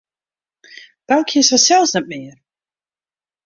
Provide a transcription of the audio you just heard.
Boukje is harsels net mear.